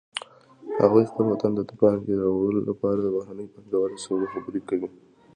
هغوی خپل وطن ته د پانګې راوړلو لپاره د بهرنیو پانګوالو سره خبرې کوي